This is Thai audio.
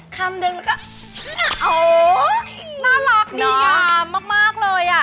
คำนึงแล้วก็อ๋อน่ารักดีงามมากเลยอะ